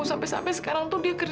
sampai sampai sekarang tuh dia kerja